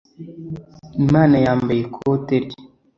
imana yambaye ikote rye